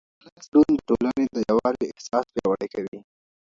د ولس ګډون د ټولنې د یووالي احساس پیاوړی کوي